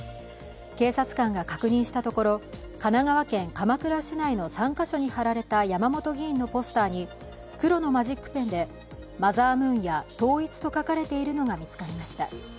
警察官が確認したところ神奈川県鎌倉市内の３か所に貼られた山本議員のポスターに「マザームーン」や「統一」と書かれているのが見つかりました。